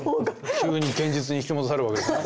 急に現実に引きもどされるわけですね。